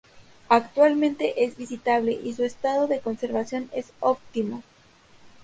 Actualmente es visitable y su estado de conservación es óptimo.